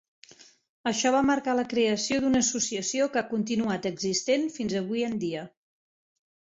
Això va marcar la creació d"una associació que ha continuat existent fins avui en dia.